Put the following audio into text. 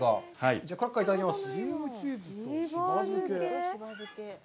じゃあクラッカーいただきます。